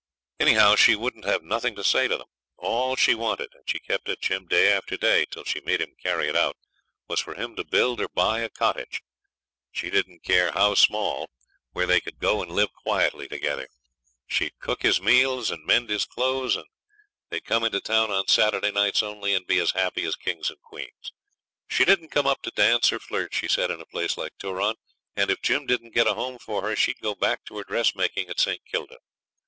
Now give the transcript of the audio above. Anyhow she wouldn't have nothing to say to them. All she wanted and she kept at Jim day after day till she made him carry it out was for him to build or buy a cottage, she didn't care how small, where they could go and live quietly together. She would cook his meals and mend his clothes, and they would come into town on Saturday nights only and be as happy as kings and queens. She didn't come up to dance or flirt, she said, in a place like Turon, and if Jim didn't get a home for her she'd go back to her dressmaking at St. Kilda.